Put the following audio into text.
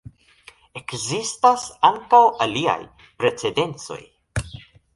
Ekzistas ankaŭ aliaj precedencoj.